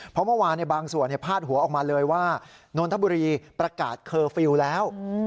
เพราะเมื่อวานบางส่วนพาดหัวออกมาเลยว่านนทบุรีประกาศเคอร์ฟิลล์แล้ว